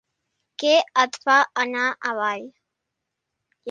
Que et fa anar avall.